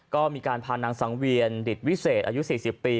ก็มีการพานางสังเวียนดิตวิเศษอายุ๔๐ปี